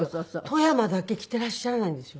富山だけ来ていらっしゃらないんですよ。